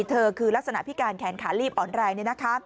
เธอคือลักษณะพิการแขนขาลีบออนไลน์